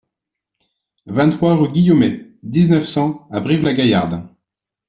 vingt-trois rue Guillaumet, dix-neuf, cent à Brive-la-Gaillarde